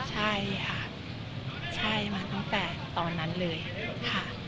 ใช่ค่ะใช่มาตั้งแต่ตอนนั้นเลยค่ะ